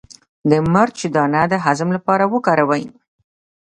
د مرچ دانه د هضم لپاره وکاروئ